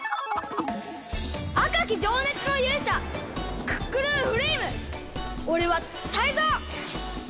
あかきじょうねつのゆうしゃクックルンフレイムおれはタイゾウ！